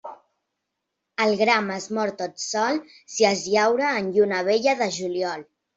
El gram es mor tot sol si es llaura en lluna vella de juliol.